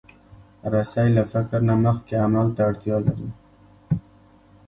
رسۍ له فکر نه مخکې عمل ته اړتیا لري.